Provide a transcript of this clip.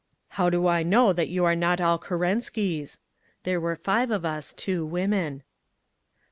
"How do I know that you are not all Kerenskys? (There were five of us, two women.)